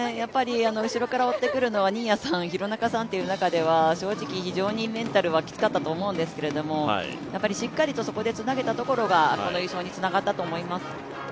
後ろから追ってくるのが新谷さん、廣中さんという中では正直、非常にメンタルはきつかったと思うんですけど、しっかりとそこでつなげたのが優勝につながったと思います。